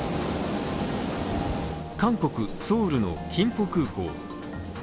韓国・ソウルのキンポ空港。